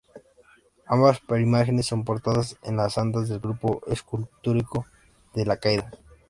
Ambas imágenes son portadas en las andas del grupo escultórico de la Caída.